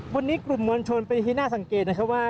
วันนี้กลุ่มมวลชนเป็นที่น่าสังเกตนะครับว่า